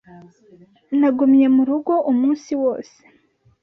Nagumye mu rugo umunsi wose.